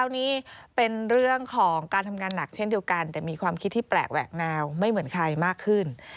อันนี้เป็นเรื่องของการทำงานหนักเช่นเดียวกันแต่มีความคิดที่แปลกแหวกแนวไม่เหมือนใครมากขึ้น